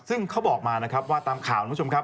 ซึ่งเขาบอกมานะครับว่าตามข่าวคุณผู้ชมครับ